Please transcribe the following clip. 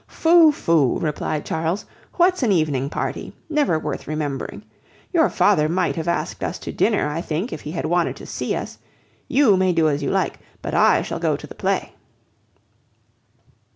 "Phoo! phoo!" replied Charles, "what's an evening party? Never worth remembering. Your father might have asked us to dinner, I think, if he had wanted to see us. You may do as you like, but I shall go to the play."